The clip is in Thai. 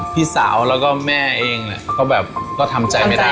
พี่สาวแล้วก็แม่เองก็แบบก็ทำใจไม่ได้